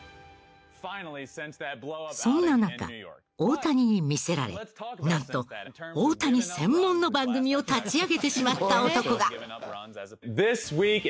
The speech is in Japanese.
そんな中大谷に魅せられなんと大谷専門の番組を立ち上げてしまった男が。